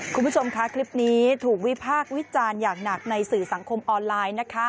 คุณผู้ชมค่ะคลิปนี้ถูกวิพากษ์วิจารณ์อย่างหนักในสื่อสังคมออนไลน์นะคะ